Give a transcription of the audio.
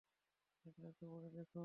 এটা একটু পড়ে দেখুন!